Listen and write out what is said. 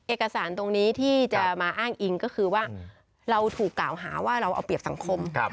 เอกสารตรงนี้ที่จะมาอ้างอิงก็คือว่าเราถูกกล่าวหาว่าเราเอาเปรียบสังคม